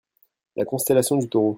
La constellation du Taureau.